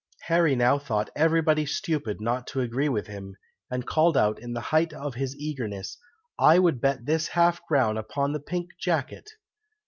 Harry now thought everybody stupid not to agree with him, and called out in the height of his eagerness, "I would bet this half crown upon the pink jacket!"